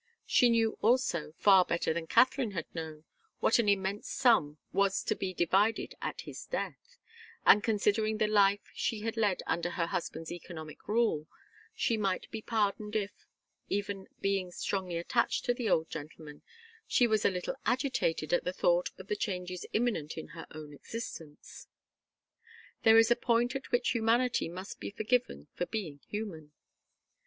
She knew, also, far better than Katharine had known, what an immense sum was to be divided at his death, and considering the life she had led under her husband's economic rule, she might be pardoned if, even being strongly attached to the old gentleman, she was a little agitated at the thought of the changes imminent in her own existence. There is a point at which humanity must be forgiven for being human.